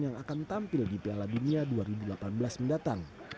yang akan tampil di piala dunia dua ribu delapan belas mendatang